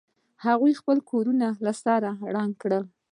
هغوی خپل کورونه سره رنګ کړي